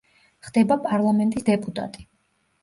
ხდება პარლამენტის დეპუტატი.